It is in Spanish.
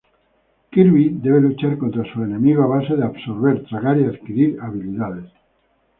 Kirby debe luchar contra sus enemigos a base de absorber, tragar y adquirir habilidades.